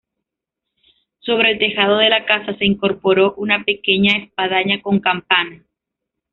Sobre el tejado de la casa se incorporó una pequeña espadaña con una campana.